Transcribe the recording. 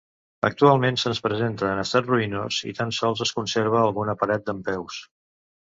Actualment se’ns presenta en estat ruïnós, i tan sols es conserva alguna paret dempeus.